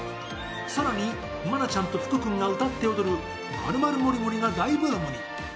更に愛菜ちゃんと福君が歌って踊る「マル・マル・モリ・モリ！」が大ブームに。